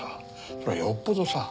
そりゃよっぽどさ